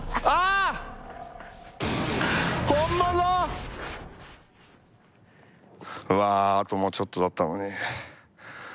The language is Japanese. あともうちょっとだったのに。